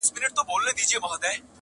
د جنت پر کوثرونو به اوبېږي؛